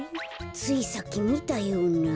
ついさっきみたような。